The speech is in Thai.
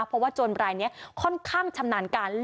เพราะว่าโจรรายนี้ค่อนข้างชำนาญการ